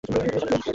তুমি জানো জ্যাক?